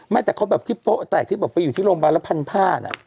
ไม่แต่เขาแบบที่โป๊ะแตกที่บอกไปอยู่ที่โรงพยาบาลแล้วพันผ้าน่ะ